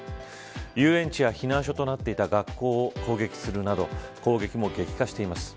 遊園地や避難所となっていた学校を攻撃するなど攻撃も激化しています。